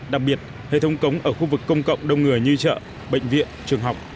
đặc biệt hệ thống cống ở khu vực công cộng đông người như chợ bệnh viện trường học